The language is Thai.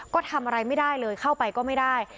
ก็ทำอะไรไม่ได้เลยเข้าไปก็ไม่ได้